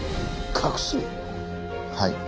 はい。